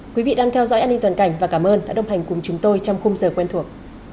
quý vị đang theo dõi an ninh toàn cảnh và cảm ơn đã đồng hành cùng chúng tôi trong khung giờ quen thuộc